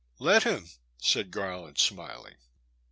" I^et him," said Garland, smiling.